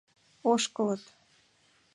Ошкылыт.